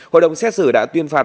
hội đồng xét xử đã tuyên phạt